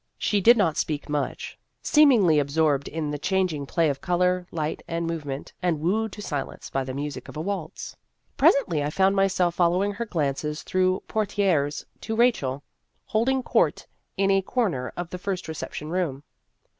She did not speak much, seemingly absorbed in the changing play of color, light, and move ment, and wooed to silence by the music of a waltz. Presently I found myself fol lowing her glances through portieres to Rachel, holding court in a corner of the first reception room.